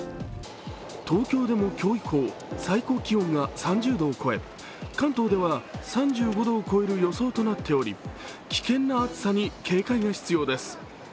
東京でも今日以降、最高気温が３０度を超え、関東では３５度を超える予想となっており危険な暑さに警戒が必要です。